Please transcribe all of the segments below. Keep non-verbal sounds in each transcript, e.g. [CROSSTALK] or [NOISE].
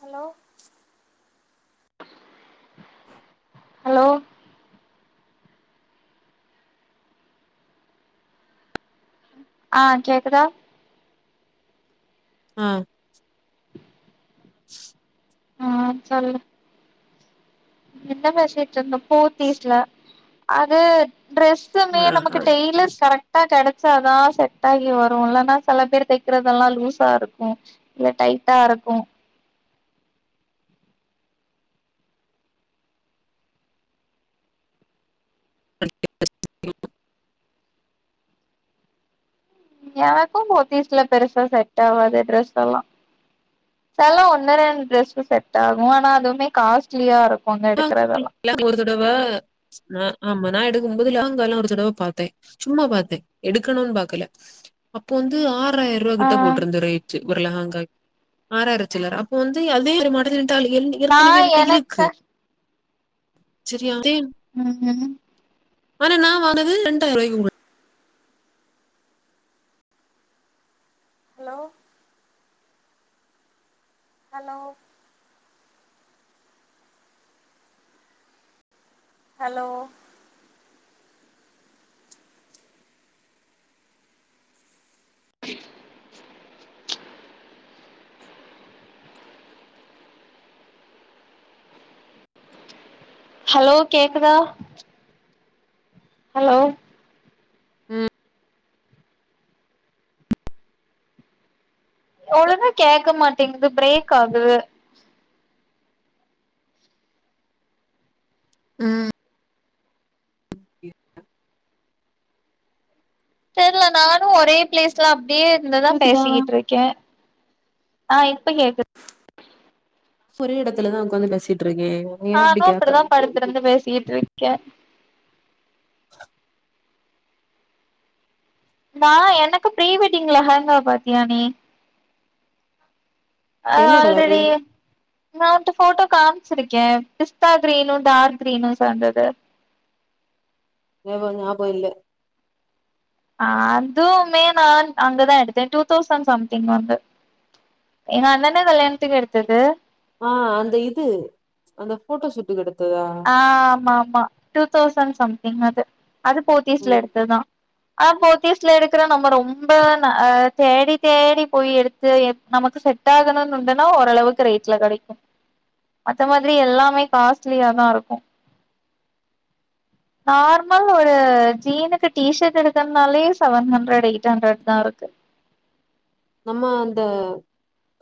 Hello hello ஆஹ் கேக்குதா ஆஹ் ஆஹ சொல்லு என்ன பேசிட்டு இருந்தோ போத்தீஸ்ல அது ஆ டிரெஸ்சுமே ஆ நமக்கு டெயலர் கரெக்டா கிடை- க்சாத செட் ஆகி வரும் இல்லன்னா சில பேர் தைக்கறதெல்லா லூஸா இருக்கும் இல்ல டைட்டா இருக்கு எனக்கும் போத்தீஸ்ல பெருசா செட் ஆகாது ட்ரெஸ் எல்லா சல ஒண்ணு ரெண்டு ட்ரெஸ் செட் ஆகும் ஆனா அதுவுமே காஸ்ட்லியா இருக்கு அங்க எடுக்கறதெல்லா [UNINTELLIGIBLE] ஒரு தடவா ஆ ஆமா நா எடுக்கும்போதுல்ல ஸ் எல்லா ஒரு தடவை பார்த்தே சும்மா பார்த்தே எடுக்கணுனு பார்க்கல அப்போ வந்து ஆறு- ஆறாயிர ர்பா ஆ கிட்ட போட்டிருந்தது ரேட் ஊர்லங்க ஆராயிரச்சல அப்போ வந்து அதே ஒரு மாடல் டால் நா ஏற்கனவே என்னிட்ட இருக்கு எனக்கு செரியா உஹம் உம் ஆனா நான் வானது ரெண்டாயிர ரூாய்க்கு ஹலோ ஹலோ ஹலோ [INAUDIBLE] ஹலோ கேக்குதா ஹலோ உஹம் ஒழுங்கா கேட்க மாட்டேங்குது பிரேக் ஆகுது உஹம் இ யக் தெரியல நானு ஒரே பிளேஸ்ல இப்டியே இருந்துதான் கேக்குதா பேசிக்கிட்டு இருக்கே ஆஹ் இப்ப கேக்குது ஒரே இடத்துல தா உட்காந்து பேசிட்டு நானு அப்டி தான் படுத்துருந்து பேசிட்டு இருக்கே கெ நா எனக்கு ஃப்ரீ வெட்டிங்ல லஹங்கா பாத்தியா நீ என்ன கலரு ஆல்ரெடி நா உங்கிட்ட ஃபோட்டோ காம் வச்சுருக்கே பிஸ்தா கிரீனு டார்க் கிரீனு சேந்தது ஏது நியாப இல்ல அதுவுமே நான் அங்க தான் எடுத்தேன் டூ தௌசண்ட் சம்திங் வந்தது எங்க அண்ணனே கல்யாணத்துக்கு எடுத்தது ஆ அந்த இது அந்த ஃபோட்டோ ஷூட்டு கிட்ட ஆ ஆமா ஆமா டூ தௌசண்ட் சம் என்னது அது போத்தீஸ்ல ம் எடுத்தது தா ஆ போத்தீஸ்ல எடுக்றோ நம்ம ரொம்ப ந அ தேடி தேடி போய் எடுத்து நமக்கு செட் ஆகணூண்டுன்னா ஓரளவுக்கு ரேட்ல கிடைக்கூ மத்த மாத்ரி எல்லாமே காஸ்ட்லி லாருக்கூ நார்மல் ஒரு ஜீனுக்கு டீஷர்ட் எடுக்கன்னாலே செவன் ஹண்ட்ரட் எயிட் ஹண்ட்ரட் தா இருக்கு நம்ம அந்த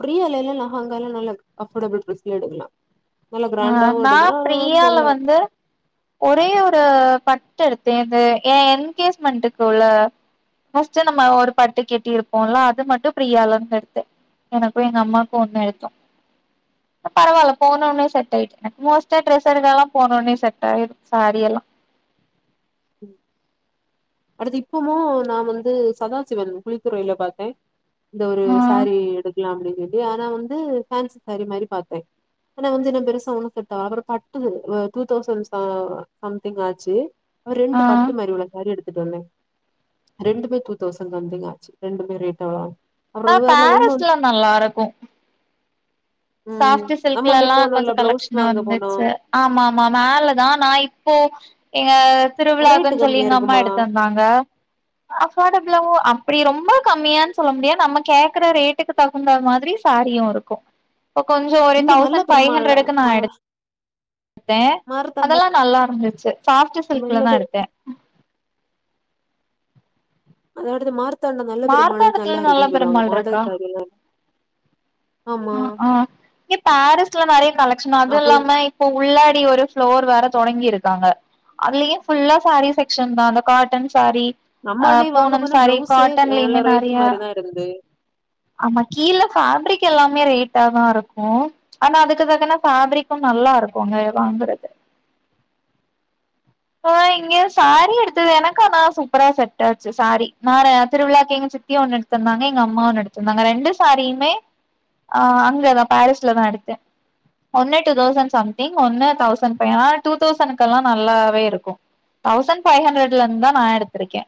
ப்ரீ அலைல லெஹங்கால்லா நல்லா கம்ஃபர்டபிள் ட்ரெஸ்ல எடுக்லா ஆ நா பாரியால வந்து ஒ ரே ஒரு பட்டு எடுத்தே இந்த ஏ எங்கேஜ்மென்ட்க்குள்ள ஃபஸ்ட் நம்ம ஒரு பட்டு கட்டி இருப்போல அது மட்டூ ப்ரியாலேந்து எடுத்தே எனக்கூ எங்கம்மாக்கூ ஒன்னு எடுத்தோ பரவால போனோன்ன செட் டாயிட் எனக்கு மோஸ்டா ட்ரெஸ் எடுக்கல்லா போனோனே செட் ஆயிடூ சாரியெல்லா அடுத்து இப்பமூ நா வந்து சதாசிவன் குளித்துறையில பாத்தே இந்த ஒரு ஆ சாரி எடுக்லா அப்டின்னுட்டு சொல்லி ஆனா வந்து ஃபேன்சி சாரி மாரி பாத்தே ஆனா வந்து என்ன பெருசா ஒன்னூ செட் அப்றோ பட்டு டூ தௌசண்ட் சா சம்திங் ஆச்சு ஒரு ஆ ரெண்டு பட்டு ஆனா மாரி உள்ள சாரி எடு டோன்னே ரெண்டுமே டூ தௌசண்ட் சம்திங் ஆச்சு ரெண்டுமே ரேட் அவ்ளோ ஆ அப்றோ வேற ஒண்ணு பாரிஸ்ல நல்லாருக்கூ ம் சாஃப்ட் நம்ம அன்னைக்கு சில்க்லலல்லா கொஞ்சோ போனோல்ல பிளவுஸ் வாங்க போனோ கலெக்க்ஷன்ருந்துச்சு ஆமா ஆமா மேல தா நா இப்போ எங்க ரேட்டு திருவிழான்னு சொல்லி கம்மியா எங்கம்மா இருக்குமா எடுத்து தந்தாங்க அஃபர்டபுலாவூ ஆ அப்டி ரொம்ப கம்மியான் சொல்ல முடியாது நம்ம கேக்குற ரேட்டுக்கு தகுந்த மாரி சாரியூ இருக்கூ இப்ப கொஞ்சோ ஒரு இங்க நல்ல தௌசண்ட் ஃபைவ் பெருமாள்ல ஹண்ட்ரடுக்கு நா ம எடுத்தே மருதாண்ட அதெல்லா நல்லாருந்து செ சாஃப்ட் சில்க்ல நல்ல தா பெரு எடுத்தே அதோடது மார் த்தாண்டோ நல்ல பெருமாள்ளயூ மார்த்தாண்டத்துல நல்ல நல்லாருக்கூன்னு சொல்லுவாங்க பெருமாள் இருக்கா மாடல் சாரிலா இங்க பாரிஸ்ல நறைய கலெக்க்ஷன் அப்ப அதூல்லாம இப்ப உள்ளாட் டி ஒரு ஃப்ளோர் வேற தொடங்கிருக்காங்க அதுலயூ ஃபுல்லா சாரி செக்க்ஷன் தா அந்தக் காட்டன் சாரி நம்ம ஆ அன்னைக்கு வாங்க பூனம் போன சாரி பிளவுஸே நல்ல காட்டன்லயுமே ரேட் நறையா மாரிதான் இருந்தது. ஆமா கீழ ஃபேப்ரிக் எல்லாமே ரேட்டா தா‌ இருக்கூ ஆனா அதுக்கு தக்கன ஃபேப்ரிக்கூ நல்லாருக்கூ அங்க வாங்குறது ஆ இங்க சாரி எடுத்தது எனக்கு ஆனா சூப்பரா செட் ஆச்சு சாரி நா திருவிழாக்கு எங்க சித்தி ஒன்னு எடுத்தந்தாங்க எங்கம்மா ஒன்னு எடுத்தந்தாங்க ரெண்டு சாரியுமே ஆ அங்க தான் பாரீஸ்ல தா எடுத்தே ஒன்னு டூ தௌசண்ட் சம்திங் ஒன்னு தௌசண்ட் ஃபை ஆ டூ தௌசண்க்குல்லா நல்லாவே இருக்கூ தௌசண்ட் ஃபைவ் ஹண்ட்ரட்லந்து தா நா எடுத்திருக்கே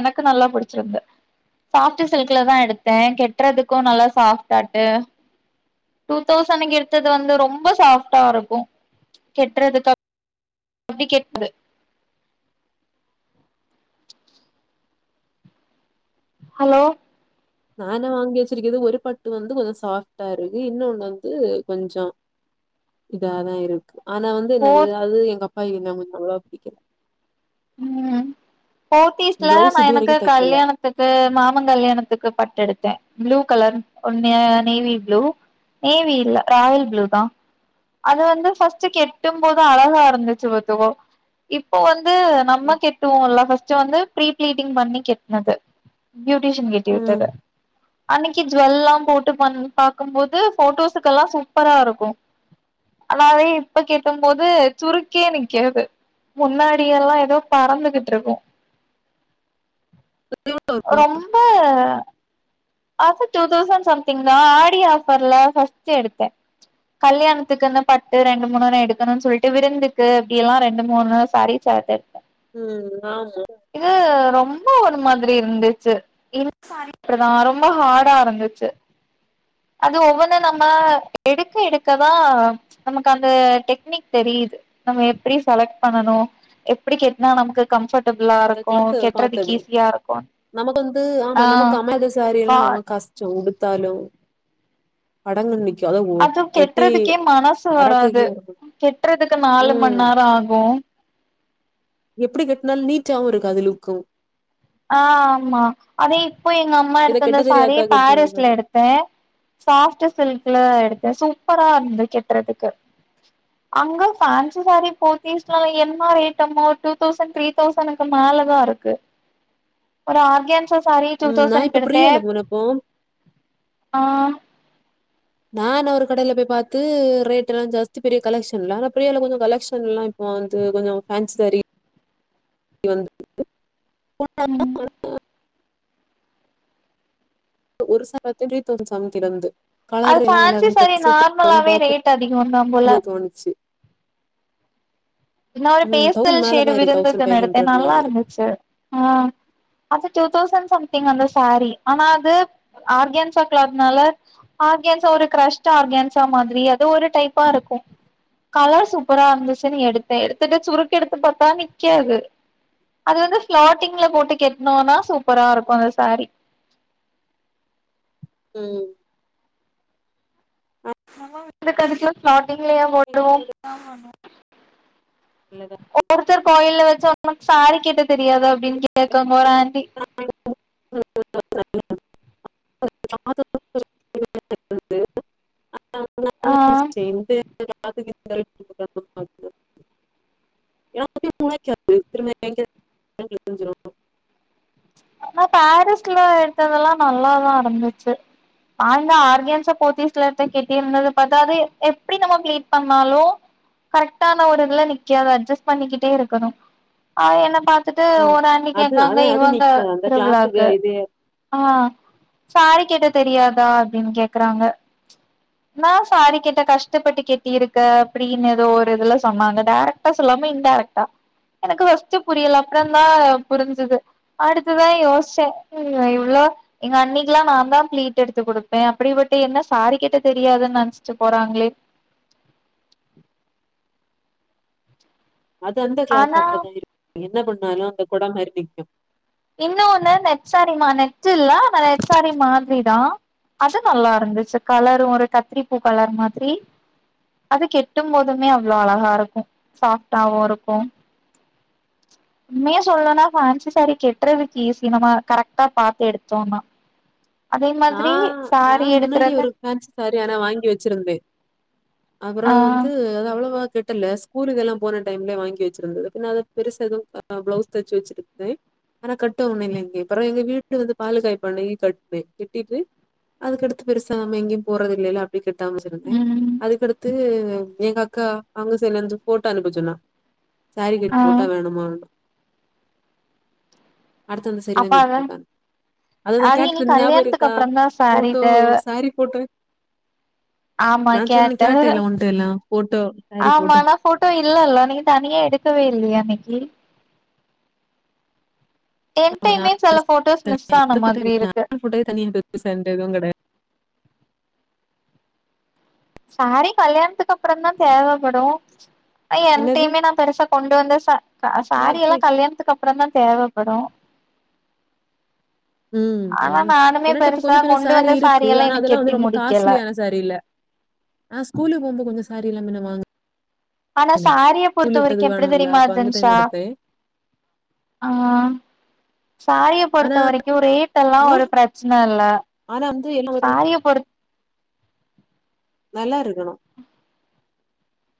எனக்கு நல்லா புடிச்சிருந்து சாஃப்ட் சில்க்ல‌ தா எடுத்தே கட்டுறதுக்கூ நல்லா சாஃட் தட்டு டூ தௌசண்னிக்கு எடுத்தது வந்து ரொம்ப சாஃப்டா இருக்கூ கெட்டுறதுக் அப் ப்டி கேட்டது ஹலோ நா என்ன வாங்கி வச்சிருக்கது ஒரு பட்டு வந்து கொஞ்ச சாஃப்ட்டா இருக்கு இன்னொன்னு வந்து கொஞ்ச இதாதா இருக்கு ஆனா வந்து என்னது ஃபோர் அது எங்கப் ஆ எங்கம்மைக்கு அவ்ளோவா புடிக்கல ம் போத்தீஸ்ல நா பிளவுஸ் இது எனக்கு வரைக்கும் தைக்கல. கல்யாணத்துக்கு மாமங் கல்யாணத்துக்கு பட்டு எடுத்தே ப்ளூ கலர் நே நேவி ப்ளு நேவி இல்ல ராயல் ப்ளு தா அது வந்து ஃபஸ்ட்டு கெட்டும் போது அழகாருந்துச்சு பாத்துக்கோ இப்போ வந்து நம்ம ம். கெட்டுவூல்ல ஃபஸ் ட்டு வந்து ப்ரீ பிளீடிங் பண்ணி கெட்னது பியூட்டிஷியன் கெட்டி ம். உட்டது அன்னிக் கி ஜூவெல்லா போட்டு பன் பாக்கும்போது போட்டோஸ்க்கெல்லா சூப்பரா இருக்கு அதனாலேயே இப்ப கெட்டும் போது சுருக்கியே நிக்கிறது முன்னாடி எல்லா எதோ பறந்துகிட்ருக்கு ரொம்ப அப்ப டூ தௌசண்ட் சம்திங் தா ஆடி ஆஃபர்ல பஸ்ட்டு எடுத்தே கல்யாணத்துக்குன்னு பட்டு ரெண்டு மூணுனு எடுக்கணுனு சொல்ட்டு விருந்துக்கு அப்டி எல்லா ரெண்டு மூணு சாரி சேர்த்த உம் ஆமொ ரொம்ப ஒரு மாதிரி இருந்துச்சு [INAUDIBLE] இப்டிதா ரொம்ப ஹார்டா இருந்துச்சு அது ஒவ்வொன்னு நம்ம எடுக்க எடுக்கதா நமக்கு அந்த டெக்னிக் தெரியுது நம்ம எப்படி செலக்ட் பண்ணனு எப்படி கெட்னா நமக்கு கம்பர்ட்டபிளா ம். அந்த இருக்கும் கிளாத் கெட்றதுக்கு பாத்துடு. ஈஸியா இருக்கும் ஆஹ் எல்லா நம்ம கஷ்டம் உடுத் தாலு அடங்க நி அது கெட்றதுக்கே மனசு வராது அடக்கக்கே கெட்றதுக்கு நாலு ம். மண் நேரம் ஆகும் எப்டி கட் நல்ல நீட்டாவு இருக்காது லுக்கு ஆஹ் ஆமா அதே இப்போ எங்க அம்மா இத எடுத்தந்த கெட்ட சாரீ தெரியாதா கெட்டுன பாரிஸ்ல மாரி எடுத்தே சாப்ட் சில்க்ல எடுத்தே சூப் பரா இருந்து கெட்டுறதுக்கு அங்க ஃபேன்சி சாரி போத்தீஸ்லலா என்ன ரேட்டு மோ டூ தௌசண்ட் த்ரீ தௌசண்க்கு மேலதா இருக்கு ஒரு ஆர்கேன்சா சாரி டூ ம் நா தௌசண்க்கு இப்ப எடுத்தே பிரியால போனப்போ ஆஹ் நான் ஒரு கடையில போய் பாத்து ரேட் எல்லா ஜாஸ்தி பெரிய கலெக்ஷன் இல்ல ஆனா பிரியால கொஞ்ச கலெக்ஷன்லா இப்போ வந்து கொஞ்சோ ஃபேன்சி சாரி [INAUDIBLE] உம் ஒரு [INAUDIBLE] அது எல்லா நல்லா ஃபேன்சி இருந்து சாரி கட் சூப்பரா நார்மலாவே பாக்கும்போது ரேட் அதிகம் தா போல தோணுச்சு என்ன ஒரு ம் பேஸ்டல் தௌசண்ட் சேடு மேலதா இருக்கு விருந்து தௌசண்ட் நா ஃபைவ் எடுத்தே ஹண்ட்ரட் நல்லா மேல இருக்கு இருந்துச்சி ஆஹ் அது டூதௌசண்ட் சம்திங் அந்த சாரி ஆனா அது ஆர்கேன்சா கிளாத்னால ஆர்கேன்சா ஒரு க்ரெஷ்ட் ஆர்கேன்சா மாதிரி அது ஒரு டைப்பா இருக்கும் கலர் சூப்பரா இருந்துச்சுன் எடுத் தே எடுத்துட்டு சுருக்கெடுத்து பாத்தா நிக்காது அது வந்து பிளாட்டிங்ல போட்டு கெட்னோனா சூப்பரா இருக்கு அந்த சாரி உம் ஆம்மா எனக்கதுக்கலா ஃப்ளாட்டிங்லியா கோட்டுவோ ஒருத்தர் கோயில்ல வெச் சொர்னம் சாரி கெட்ட தெரியாதா அப்டின் கேக்க போறான்டி ஆ [INAUDIBLE] [INAUDIBLE] ஆனா பேரிஸ்ல எடுத்ததெல்லா நல்லாதா இருந்துச்சு நா இந்த ஆர்கென்ஸ போதீஸ்ல எடுத்த கெட்டி இருந்தது பாத்தா அது எப்டி நம்ம ஃப்ளீட் பண்ணாலு கரெக்டான ஒரு இதுல நிக்காது அஜ்ஜஸ்ட் பண்ணிக்கிட்டே இருக்கணும் ஆஹ் என்ன பா த்துட்டு ஆ, ஒரு அண்ணி அது கேக்காங்க அது அது இவங்க நிக்காது அந்த கிளாத்துக்கு திருவிழாக்கு இது ஆஹ் சாரி கெட்ட ட தெரியாதா அப்டின் கேக்குறாங்க நா சாரி கெட்ட கஷ்டப்பட்டு கெட்டிருக்க அப்டின்னு எதோ ஒரு இதுல சொன்னாங்க டேரெக்டா சொல்லாம இன்டேரெக்டா எனக்கு வஸ்டு புரியல அப்றந்தா புரிஞ்சுது அடு த்துதா யோச்சே இவ்ளோ எங்க அண்ணிக்லா நாந்தா பிளீட் எடுத்து குடுப்பே அப்படிப்பட்ட என்ன சாரி கெட்ட தெரியாதுன்னு நென்ச்சிட்டு போறாங்களே அது அந்த கிளாத் ஆனா அப்டிதா இருக் என்ன பண் னாலு அந்த கொட மார் நிக்கு இன்னு ஒன்னு நெட் சாரிமா நெட்டு இல்ல ஆனா நெட்சாரி மாத்ரிதா அது நல்லா இருந்துச்சி கலரும் ஒரு கத்திரிப்பூ கலர் மாதிரி அது கெட்டும்போதுமே அவ்ளோ அழகா இருக்கும் சாஃப்டாவு இருக்கும் உண்மயா சொல்ணுனா ஃபேன்சி சாரி கெட் டறதுக்கு ஈசி நம கரெக்ட்டா பாத்து எடுத்தோனா நா நா முன்னாடி ஒரு ஃபேன்சி சாரி ஆனா வாங்கி வச்சிருந்தே அப்ற ஆ வந்து அது அவ்வளவா கெட் டல ஸ்கூலுக்கு எல்லா போன டைம்ல வாங்கி வச்சிருந்தது பின்ன அத பெருசா எதுவும் ப்ளவுஸ் தச்சி வச்சிருந்தே ஆனா கட்ட ஒன்னு இல்லேங்கே அப்பறொ எங்க வீட்டு வந்து பாலு காய்பண்ணிக் கட்னே கெட்டிட்டு அதுக்கடுத்து பெருசா நம்ம எங்கெயும் போறதில்லைல்ல டின் கெட்டாம வச்சிருந்தே ம் அதுக்கடுத்து அம் எங்க அக்கா அவ்ங்க செல்ல இருந்து ஃபோட்டோ அனுப்பச்சொன்னா சாரி ஆ கெட் ஃபோட்டா வேணுமான்னு அடுத்து அந்த சேரி அப்ப தாங் கெட்டி அத போட்டாங் அததா அது இனி கேட்டுட்டுருந்த நியாபக கல்யாணத்துக்கு ட்டிக்கா அப்புறம் தான் சாரீ ஃபோட்டோ இத சாரி போட்டோ ஆமா கேட்ட கேட்டேன்ல உன்ட்ட எல்லாம் ஃபோட்டோ சாரி ஆமா நா ஃபோட்டோ இல்லல்லெ நீந் தனியா எடுக்கவே இல்லியா அன்னக்கி என்டேமே செல ஃபோட்டோஸ் மிஸ் ஆனா எந்த ஃபோட்டோ மாதிரி இருக்கு நார்மல் ஃபோட்டோவே தனியா பெருசா எதுவும் கெடையாது. சாரி கல்யாணத்துக்கு அப்றந்தா தேவப்படு ஆ என்னது என்டெய்மே நா பெருசா கொண்டு வந்த ச க சாரி யாக்கு எல்லா கல்யாணத்துக்கு அப் அப்புற தா தேவப்படு ம் ஆ எனட்ட இப்ப கொஞ்ச பின்ன கொண்டு சாரி வந்த இருக்கு எல்லா ஆனா இன்னு அதல்லா கெட்டி வந்து ரொம்ப முடிக்கல காஸ்ட்லியான சாரீல்ல அ ஸ்கூலுக் போகும்போ கொஞ்ச சாரி எல்லா மின்ன வாங் ஆனா னே சாரிய பொறுத்த கூலி வரைக்கும் விட்டதுக்கு எப்டி வேணும்ல தெரியுமா அப்ப அந்த டைம் எடுத்தே [UNINTELLIGIBLE] ஆஹ் சாரியை ஆனா பொறுத்த வரைக்கும் ரேட் ஆ எல்லாம் ஒரு பிரச்சன இல்ல ஆனா வந்து என்ன ஒரு சாரிய பொறுத் நல்லா இருக்கணும்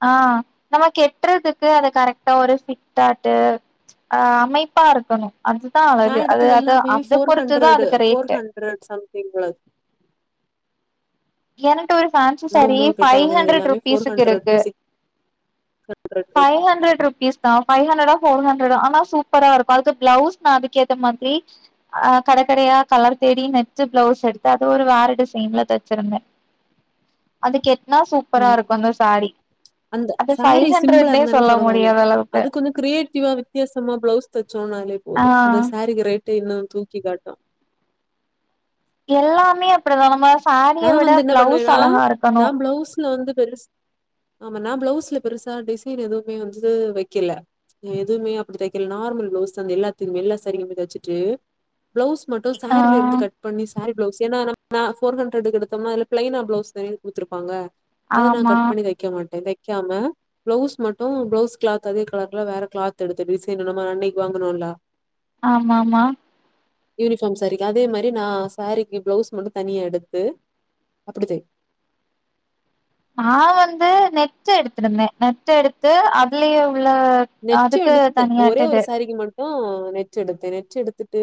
ஆஹ் நம்ம கெட்டுறதுக்கு அத கரெக்டா ஒரு பிட்டாட்டு அமைப்பா இருக்கணும் நா எடுத்தது எல்லாமே ஃபோர் பொறுத்துதா ஹண்ட்ரடு அதுக்கு ஃபோர் ரேட்டு ஹண்ட்ரட் சம்திங் குள்ள எனங் [UNINTELLIGIBLE] ஒரு ஃபேன்சி நா சாரி ஒம்போது கிட்ட ஃபைவ் வாங்குனது ஹண்ட்ரட் எல்லாமே ருபீஸ் ஃபோர் ஹண்ட்ரட் இருக்கு two six hundred range five hundred rupees தான் ஃபைவ் ஹண்ரடா ஃபோர் ஹண்ட் ஹண்ட்ரடு ஆனா சூப்பரா இருக்கு அதுக்கு பிளவுஸ் நா அதுக்கே மாதிரி ஆ கடைக்கடையா கலர் தேடி மேட்ச் பிளவுஸ் எடுத்து அது ஒரு வேற டிசைன்ல தச்சிருந்தே அதுக்கே உம் அந்த அது ஃபைவ் சாரீ சிம்பிளா ஹண்ட்ரட்னே இருந்தாலும் சொல்ல பரவாயில்ல முடியாத அளவுக்கு அதுக்கு கொஞ்சோ கிரியேட்டிவா வித்தியாசமா பிளவுஸ் தச்சு தூனாலே ஆ போதும் அந்த சாரீக்கு ரேட் கட்டி இருந்தா தூக்கி காட்டும் எல்லாமே அப்டிதானாம் நா வந்து என்ன பண்ணுவேன்னா நா இருக்கணு பிளவுஸ்ல வந்து பெருசு ஆமா நான் பிளவுஸ்ல பெருசா டிசைன் எதுவுமே வந்து வைக்கல எதுவுமே அப்டி தைக்கல நார்மல் பிளவுஸ்தா அந்த எல்லாத்தயும் எல்லா சாரிக்கும் தைச்சுட்டு பிளவுஸ் மட்டு ஆ சாரில இருந்து கட் பண்ணி சாரி ப்ளவுஸ் ஏனா நம் நா ஃபோர் ஹண்ட்ரடுக்கு எடுத்தோம்னா அதுல பிளைனா ப்ளவுஸ் தனியா குடுத்துருப்பாங்க அத நா ஆமா கட் பண்ணி தைக்க மாட்டே தை க்காம பிளவுஸ் மட்டு பிளவுஸ் கிளாத் அதே கலர்ல வேற கிளாத் எடுத்து டிசைன் நம்ம அன்னைக்கு வாங்கணுல்ல ஆமாமா யூனிஃபார்ம் சாரீக்கு அதே மாரி சாரீக்கு பிளவுஸ் மட்டும் தனியா எடு த்து அப்படி தை நான் வந்து நெட் எடுத்துருந்தேன் நெட் எடுத்து அதுலயே ஃபுல்லா அதுக்கு தனியா இட்டது உம் நெட் எடுத்தே நெட் எடுத்துட்டு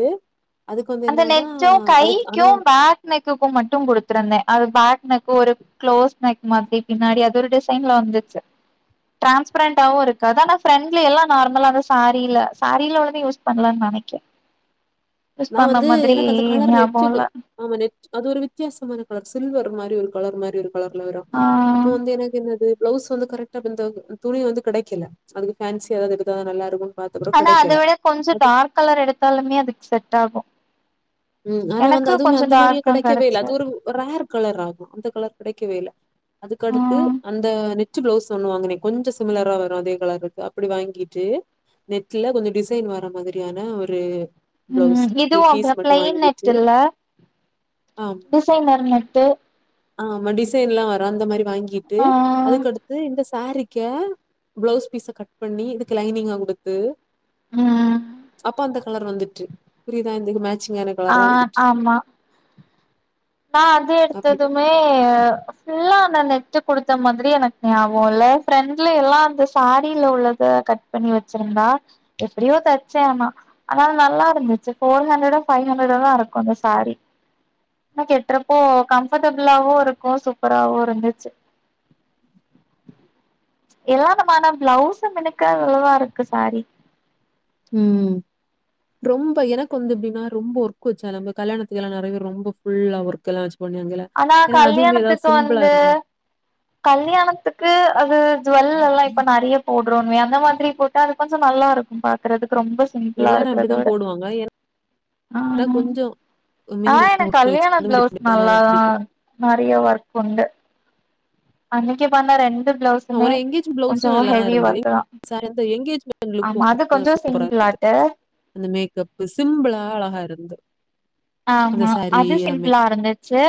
அதுக்கு வந்து அந்த என்னன்னா நெட்சு அதுக்கு ஆனா கைக்கும் பேக் நெக்குக்கும் மட்டும் குடுத்துருந்தேன் அது பேக் எனக்கு ஒரு க்ளோஸ் நெக் மாதிரி பின்னாடி அது ஒரு டிசைன்ல வந்துச்சு டிரான்ஸ்பரண்டாவும் இருக்காது ஆனா ஃப்ரெண்ட்ல எல்லா நார்மலானா சாரீல சாரீல உள்ளத யூஸ் பண்ணலாம்னு நெனைக்கேன் நா வந்து எனக்கு அந்த கலர் நெச்சிக்கு ஆமா நெ அது ஒரு வித்தியாசமான கலர் சில்வர் மாரி ஒரு கலர் மாரி இரு கலர்ல வரு ஆ அப்போ வந்து எனக்கு என்னது பிளவுஸ் வந்து கரெக்டா பெந்தோகு துணி வந்து கெடைக்கல அதுக்கு ஃபேன்சியா எதாது எடுத்ததா நல்லா இருக்கு ஆனா அத விட கொஞ்சோ டார்க் கலர் எடுத்தாலுமே அதுக்கு செட் டாகு உம் ஆனா வந்து அதுவுமே அந்த மாரியே கெடைக்கவே இல்ல கெடச்சு அது ஒரு ஒரு ரேர் கலர் ஆகு அந்த கலர் கெடைக்கவே இல்ல அதுக்கடுத்து ம் அந்த நெட்டு பிளவுஸ் ஒன்னு வாங்குன கொஞ்சோ சிமிலரா வரு அதே கலருக்கு அப்படி வாங்கிட்டு நெட்டுல கொஞ்சோ டிசைன் வர மாதிரியான ஒரு பிளவுஸ் உம் இதுவு [INAUDIBLE] பீஸ் மட்டு ஃபிளைன் வாங்கிட்டு நெட்டில்ல ஆமா டிசைனர் நெட்டு ஆமா டிசைன்லா வரு அந்த மாரி வாங்கீட்டு ஆ அதுக்கடுத்து இந்த சாரீக்கே ப்ளவுஸ் பீச கட் பண்ணி இதுக்கு லைனிங்க குடுத்து ம் அப்பா அந்த கலர் வந்துட்ரு புரியுதா திகுமே அ அ ஆமா நா அது அப்டி எடுத்ததுமே இல்ல அந்த நெட்டு் குடுத்த மாத்ரி எனக்கு ஞாபகோ இல்ல ஃப்ரெண்ட்ல எல்லா அந்த சாரில உள்ளத கட் பண்ணி வச்சிருந்தா எப்படியோ தைச்ச ஆமா ஆனா நல்லாருந்துச்சு ஃபோர் ஹண்ட்ரடோ ஃப்பை ஹண்ட்ரடோ தா இருக்கு அந்த சாரி ஆன கெட்டறப்போ கம்ஃபர்ட்டபுளாவு இருக்கு சூப்பராவவு இருந்துச்சு எல்லாவிதமான பிளவுஸுக்கு நல்லாருக்கு சாரி ம் ரொம்ப எனக்கு வந்து எப்டின்னா ரொம்ப ஒர்க்க் வச்சா நம்ம கல்யாணத்துக்குலா நறையா பேர் ரொம்ப ஃபுல்லா ஒர்க்குலா வச் அனா கல்யாணத்துக்கு வந்து இருந்தா கல்யாணத்துக்கு அது ஜுவல்லல்லா இப்ப நறியா போட்ரமே அந்த மாத்ரி போட்டா கொஞ்ச நல்லாருக்கு பாக்றதுக் ரொம்ப சிம்பிளா எல்லாரு இருக்றத அப்டிதா விட போடுவாங்க ஆ ஏன்னா கொஞ்சோ ஆனா என மினிமம் ஒர்க் வச்சு கல்யாண அந்த மாரி ப்ளவுஸ் நல் ஆ பிடிக்கு நறையா ஒர்க் உண்டு அன்னக்கே பண்ணா ரெண் ஒரு எங்கேஜ் ப்ளவுஸு நல்லாதா இருந்து ஒர்க் தா சாரி வந்து எங்கேஜ்மென்ட் லுக்கு ஆமா அது கொஞ்சோ சூப்பரா சிம்பிளாட்டு இருந்துச்சுஅந்த மே கப்பு சிம்புளா அழகா இருந்து ஆமா அது சிம்பிளா இருந்துச்சு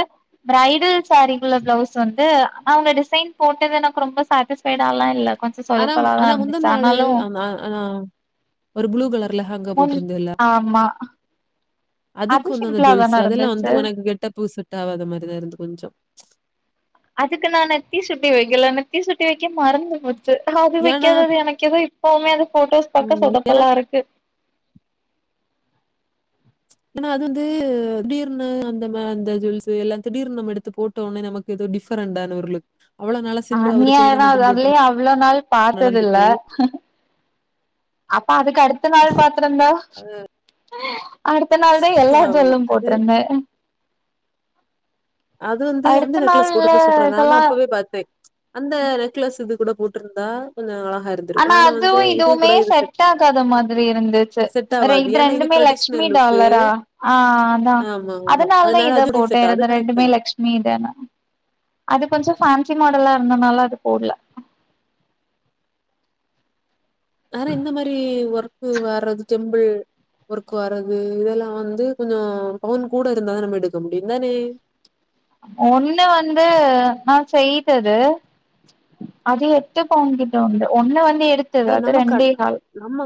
ப்ரைடல் சாரிக்குள்ள ப்ளவுஸ் வந்து அவ்ங்க டிசைன் போட்டது எனக்கு ரொம்ப சாட்டிஸ்ஃபைடாலா இல்ல கொஞ்சோ ஆனாம் சொதப்பலா தா ஆனா இருந்துச்சு முந்துன் நாளு ஆனாலு அம் அ ஆ ஒரு ப்ளூ கலர் அப்ப லெஹங்கா முன் போட்டிருந்தல்ல ஆமா அதுக்கு அது வந்து அந்த சிம்பிளா ஜுல்சு தான அதல்லா வந்து இருந்துச்சு உனக்கு கெட்டப்பு செட்டாவாத மாதிரிதா இருந்து கொஞ்சோ அதுக்கு நானு நெத்தி சுட்டி வைக்கல ந நெத்திசுட்டி வைக்க மறந்து போச் சு அது ஏன்னா வெக்காத அது எனக்கெதோ போ மேது போட்டோஸ் பக்க ம் ஏன்னா சொதப்பலாருக்கு ஏன்னா அது வந்து திடீர்னு அந்த மா அந்த ஜெல்ஸ்சு எல்லா திடடீர்னு நம்ம எடுத்து போட்டோனே நமக்கு ஏதோ டிஃப்ரெண்டான ஒரு லுக் அவ்வளோ நாளா சிம்பிளா ஒரு ஆனியா செயின தா மட்டும் அதே போட்டு அவ்ளோ நாள் பாத்ததில்ல நடந்துட்டு அப்ப அதுக் கர்த்த நாள் பாத்ருந்தா அடுத்த நாள் தா எல்லா ஆமா. ஜெல்லு அது போட்ருந்த அது வந்து அந்த அடுத்த நெக்லஸ் நாள்ல போட்ருந்தா சுப்றா நானா இதெல்லா அப்பவே பாத்தே அந்த நெக்லஸ் இது கூட போட்டிருந்தா கொஞ்சோ அழ ஆனா அதுவு இதுவுமே செட் ஆகாத மாத்ரி இருந்துச்சு செட் ஆவாது. இது ஏன்னா ரெண்டுமே லக்ஷ்மி ட்ரெடிஷ்னல் லுக்கு. டாலரா ஆ அதா ஆமா, ஆமா. அதனால தா இத அது போட்டே செட் அது இது ரெண்டு கரெக்ட் மே தான். லட்சுமி தான அது கொஞ்சோ ச்சிம் மாடலா இருந்தனால அது போடல ஆற இந்த மாதிரி ஒர்க் கு வர்றது டெம்பிள் ஒர்க் வர்றது இதெல்லா வந்து கொஞ்சோ பவுன் கூட இருந்தான நம்ம எடுக்க முடியு தானே ஒண்ணு வந்து நா செய்தது அது எட்டு பவுன் கிட்ட உண்டு ஒண்ணு வந் து எடுத்தது இல்ல அது நம்ம க ரெண்டே கால் நம்ம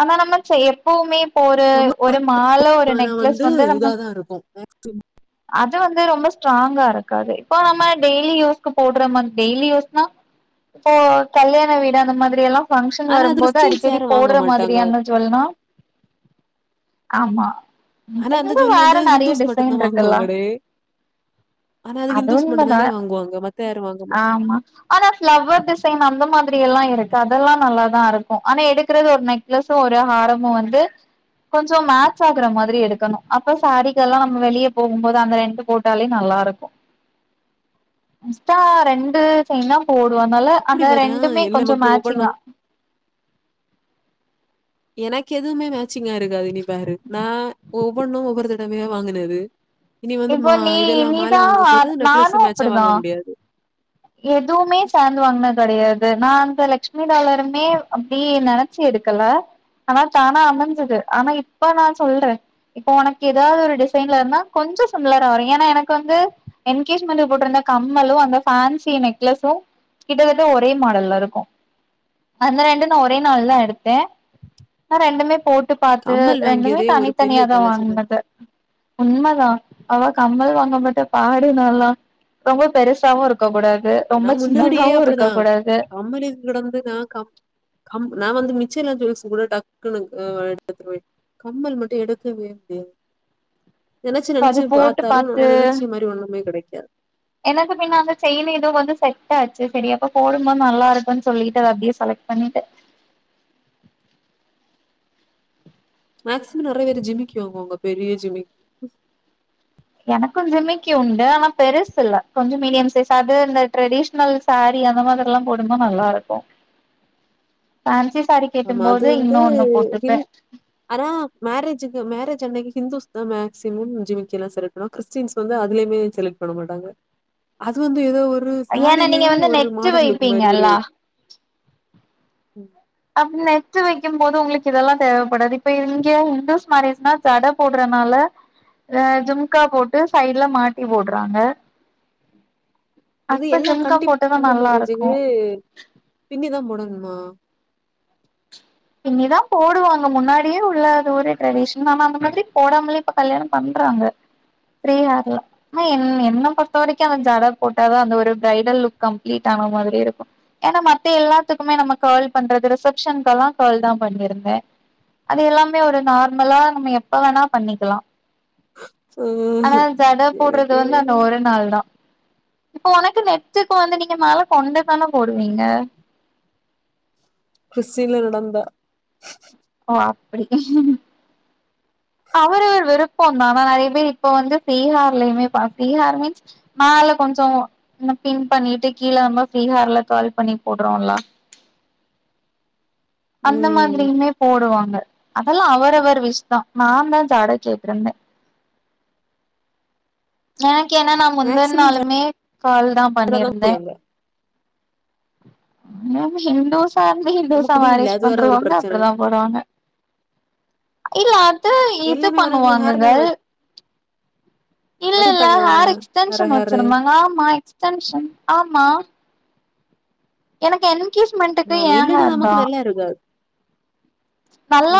ஆனா நம்ம செய எப்பவுமே ஒரு நம்ம ஒரு மால ஒரு நெக்லஸ் வந்து நம்ம செம்பு அது வந்து ரொம்ப ஸ்ட்ராங்கா இருக்காது இப்போ நம்ம டெய்லி யூஸ்கு போடுறமா டெய்லி யூஸ்னா இப்போ கல்யாண வீடு அந்த மாதிரி எல்லா ஃபங்க்ஷன் ஆனா வரும்போது கிறிஸ்டின்ஸ் அடிக்கடி யாரும் வாங்க போட்ற மாட்டாங்க. மாதிரியான ஜுவல்னா ஆமா ஆனா அந்த [UNINTELLIGIBLE] ஜுவல் வார வந்து நெறைய ஹிந்துஸ் மட்டும் டிசைன் தான் இருக்கு அ வாங்குவாங்களே! ஆனா அது ஹிந்துஸ் மட்டும் உண்மதா தானே வாங்குவாங்க. மத்த யாரும் வாங்க மாட் ஆமா ஆனா ஃபிளவர் டிசைன் அந்த மாதிரி எல்லா இருக்கு அதெல்லா நல்ல தா இருக்கு ஆனா எடுக்கறது ஒரு நெக்லஸு ஒரு ஹாரமு வந்து கொஞ்சோ மேட்ச ஆகுற மாதிரி எடுக்கணு அப்ப சாரீகள்லா நம்ம வெளிய போகும்போது அந்த ரெண்டு போட்டாலே நல்லா இருக்கு மிஸ்தா ரெண்டு செயினா போ னால எப்படி அந்த பாத்தன்னா, ரெண்டுமே எல்லாம் கொஞ்சோ நமக்கு மேச்சிங்கா ஒவ்வொன்னும் எனக்கு எதுவுமே மேட்சிங்கா இருக்காது நீ பாரு நா ஒவ்வொன்னு ஒவ்வொரு தடவையா வாங்குனது இனி வந்து இப்போ மா நீ இதெல்லா மால நீதா வாங்கு போது நானு நெக்லேஸு மேட்சா அப்டிதா வாங்க முடியாது எதுவுமே சார்ந்து வாங்கனாது கெடையாது நா வந்த லக்சு மி டாலருமே அப்டியே நெனைச்சு எடுக்கல ஆனா தானா அமைஞ்சது ஆனா இப்ப நா சொல்றே இப்ப உனக்கு ஏதாவது ஒரு டிசைன்ல இருந்தா கொஞ்சோ சிம்லரா வரு ஏன்னா எனக்கு வந்து எங்கேஜ்மெண்ட் போட்டிருந்த கம்மலு அந்த பேன்சி நெக்லெஸு கிட்டத்தட்ட ஒரே மாடல்ல இருக்கு அந்த ரெண்டு நா ஒரே நாள்ள தா எடுத்தே ஆனா ரெண்டுமே போட் டு பாத்து கம்மல் ரெண்டுமே வாங்கியதே ஒரு பெரிய தனித்தனியாதா தலசுரு. வாங்குனது உண்மைதா அவா கம்மல் வாங்கமட்ட பாடு நல்லா ரொம்ப பெருசாவு இருக்கு நா முன்னாடியே அப்டிதா கூடாது கம்மலயும் கிடந்து நா க கம் நா வந்து மி மிச்செல்லா ஜூவல்ஸ் கூட டக்குனு அ எடுத்துகுவே கம்மல் மட்டு எடுக்கவே முடியாது நெனைச்சு அது நெனைச்சு போட்டு பாத்தாலு பாத்து நம்ம நெனைச்சு மாரி ஒண்ணுமே கெடை [UNINTELLIGIBLE] எனக்கு பின்னா அந்த செயின் ஏதோ வந்து செட் ஆச்சு சேரி எப்ப போடும்போது நல்லா இருக்குன்னு சொல்லிட்டு அத அப்டியே செலக்ட் பண்ணிட்டே மேக்சிமோ நெறைய பேரு ஜிமிக்கு வாங்குவாங்க பெரிய ஜிமிக் எனக்கு ஜிமிக்கி உண்டு ஆனா பெருசில்ல கொஞ்சோ மீடியம் சைஸ் அது இந்த ட்ரெடிஷ்னல் சாரி அந்த மாத்ரில்லா போடும்னா நல்லா இருக்கு ஃபேன்சி சாரீ ஆமா அது கெட்டும்போது வந்து இன்னொன்னு உ போட்டுப்பே ஹிந்த் ஆனா மேரேஜுக்கு மேரேஜ் அன்னைக்கு ஹிந்தூஸ் தா மேக்சிமம் ஜிமிக்கிலா செலக்ட் பண்ணுவாங் கிறிஸ்டியன்ஸ் வந்து அதுலயுமே செலக்ட் பண்ண மாட்டாங்க அது வந் து ஏதோ ஒரு ஏன்னா நீங்க சேரிலயு வந்து ஒரு நெட்டு மாடலுருக்கு மாரி ஒரு வைப்பீங்கல்ல உம் அப்டி நெட்டு வைக்கும்போது உங்குளுக்கு இதெல்லா தேவப்படாது இப்ப இங்க ஹிந்துஸ் மேரேஜ்னா ஜட போட்றனால அஹ் ஜும்கா போட்டு சைடுல மாட்டி போட்றாங்க இது எல்லா கண்டிப் இந்து இருக்கு மேரேஜுக்கு பின்னிதா போடனு மா பின்னிதா போடுவாங்க முன்னாடியே உள்ள அது ஒரு ட்ரெடிஷன் ஆனா அந்த மாதிரி போடாமலே இப்ப கல்யாண பண்றாங்க ஃப்ரீ ஹேர்ல அஹ் என் என்ன பொறுத்த வரைக்கு அந்த ஜட போட்டாதா அந்த ஒரு ப்ரைடல் லுக் கம்ப்ளீட் ஆன மாதிரியே இருக்கு ஏன்னா மத்த எல்லாத்துக்குமே நம்ம கர்ல் பண்றது ரிசப்ஷன்கல்லா கர்ல் தா பண்ணிருந்த அது எல்லாமே ஒரு நார்மலா நம்ம எப்ப வேணா பண்ணிக்கலா அ ஆனா ஜட போட்றது எனக்கு வந்து அந்த ஒரு நாள் தா இப்ப உனக்கு நெட்டுக்கு வந்து நீங்க மேல கொண்ட தான போடுவீங்க கிரிஸ்டீன்ல நடந்தா ஓ அப்டி அவுரு விருப்ப தா ஆனா நெறைய பேர் இப்ப வந்து ஃப்ரீ ஹேர்லயுமே பா ஃப்ரீ ஹேர் மீன்ஸ் மேல கொஞ்சோ பின் பண்ணிட்டு கீழ நம்ம ஃப்ரீ ஹேர்ல கர்ல் பண்ணி போட்றோல அந்த ம். மாதிரியுமே போடுவாங்க அதல்லா அவரவர் விஷ் தா நா தா ஜட கேட்ருந்த ந கெனா நா முந்தன் மேக்ஸிமம் நாளுமே கர்ல் தா பண்ணிருந்த எல்லாமே ஹிந்துஸ் [UNINTELLIGIBLE] நம்ம ஹிந்துசா குடி இல்ல. மேரேஜ் அது வேற ஒரு பண்றவங்க பிரச்சனை. அப்டிதா போடுவாங்க இல்ல அது இது எல்லாமே உனக்கு ஹேர் பண்ணுவாங்கங்க தானே வச் இல்லல்ல வச்சுட்டாங்க தானே. ஹேரு வேற எக்ஸ்டென்ஷன் ஹேரு. வச்சிருந்தாங்க ஆமா எக்ஸ்டென்ஷன் ஆமா எனக்கு என் கேஜ்மென்ட்டுக்கு ஆமா. ஏ இல்லன்னா ஹேர் நமக்கு தா நல்லா இருக்காது.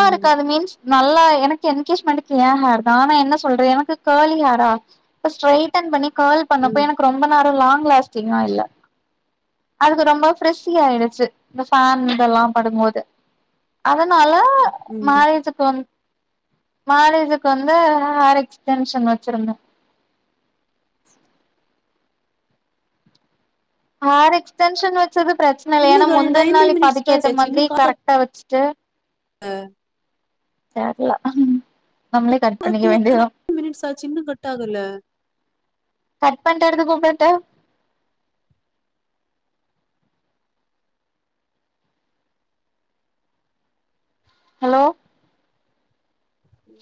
ம். மீன்ஸ் நல்லா இ எனக்கு என்கேஜ்மென்ட்க்கு ஏ ஹேர் தா ஆனா என்ன சொல்ற எனக்கு கர்லி ஹேரா அப்ப ஸ்ட்ரைடென் பண்ணி கர்ல் பண்ணப்ப ம். எனக்கு ரொம்ப நேரோல்லாங் லாஸ்டிங்கா இல்ல அதுக்கு ரொம்ப ஃப்ரிஸ்சி ஆயிடிச்சி இந்த ஃபேர்ம் இதெல்லா படுபோது அதனால் ல ம். மேரேஜ்கு வந் மேரேஜுக்கு வந்து ஹேர் எக்ஸ்டென்ஷன் வச்சிருந்த ஹேர் எக்ஸ்டென்ஷன் வெச் சது பிரச்ன இல்ல என்ன ஏனா கேர்ள் முந்தன் நைன்டி நாளிக்ப மினிட்ஸ் அதுக்கேத்த மாதிரி கரெக்ட்டா வச்சிட்டு அஹ் தெர்ல நம்மளே கட் பண்ணிக்க பாத்தியா வேண்டியதா [UNINTELLIGIBLE] மினிட்ஸ் ஆச்சி இன்னு கட் ஆகல கட் பண்ட்டு அடுத்து கூப்டட்டா ஹலோ உம்